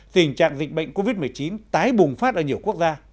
tình trạng dịch bệnh covid một mươi chín tái bùng phát ở nhiều quốc gia